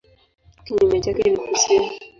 Kinyume chake ni kusini.